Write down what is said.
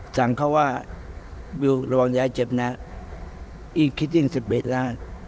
สั่งเขาว่าวิวระวังอย่าเจ็บนะอีกคิดถึง๑๑ล้าน